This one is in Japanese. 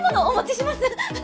お持ちします！